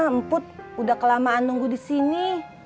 emput udah kelamaan nunggu disini